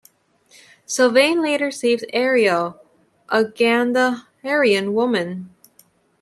Sylvain later saves Airelle, a Gandaharian woman.